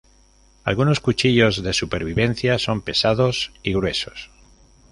Algunos cuchillos de supervivencia son pesados y gruesos.